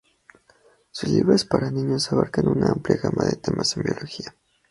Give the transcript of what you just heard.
Sus libros para niños abarcan una amplia gama de temas en biología.